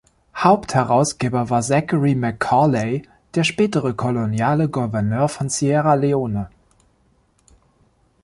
Hauptherausgeber war Zachary Macaulay, der spätere koloniale Gouverneur von Sierra Leone.